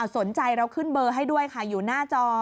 สนใจเราขึ้นเบอร์ให้ด้วยค่ะอยู่หน้าจอ